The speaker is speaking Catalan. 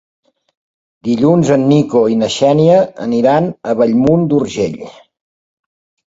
Dilluns en Nico i na Xènia iran a Bellmunt d'Urgell.